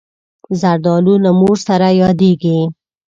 زردالو له مور سره یادېږي.